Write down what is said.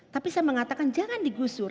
tapi saya mengatakan jangan digusur